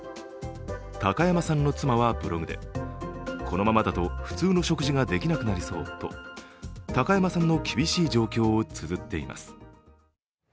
高山さんの妻はブログで、このままだと普通の食事ができなくなりそうと、高山さんの厳しい状況をつづっています。